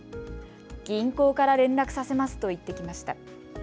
銀行から連絡させますと言ってきました。